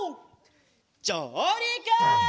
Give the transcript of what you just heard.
じょうりく！